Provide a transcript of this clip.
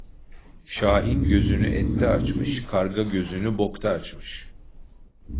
Şahin gözünü ette açmış; karga gözünü bokta açmış.